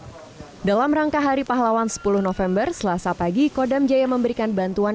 hai dalam rangka hari pahlawan sepuluh november selasa pagi kodam jaya memberikan bantuan